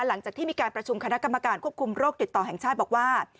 หลังจากที่มีการประชุมคณะกรรมการควบคุมโรคติดต่อแห่งชาติบอกว่า